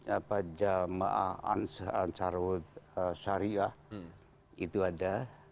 apa jama'at ansarud sharia itu ada